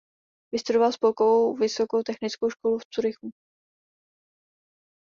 Vystudoval Spolkovou vysokou technickou školu v Curychu.